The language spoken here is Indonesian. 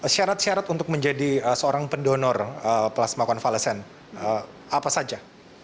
syarat syarat untuk menjadi seorang pendonor plasma konvalesen apa saja